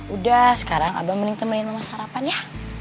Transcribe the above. udah sekarang abah mending temenin mama sarapan ya